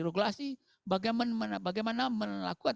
regulasi bagaimana melakukan